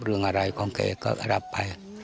เรื่องอะไรของแกก็รับไป